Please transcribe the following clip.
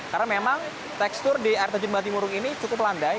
karena memang tekstur di air terjun bantimurung ini cukup landai